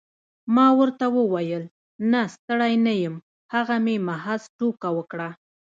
ما ورته وویل نه ستړی نه یم هغه مې محض ټوکه وکړه.